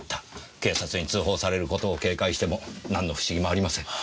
警察に通報される事を警戒しても何の不思議もありません。